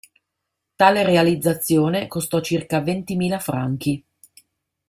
Tale realizzazione costò circa ventimila franchi.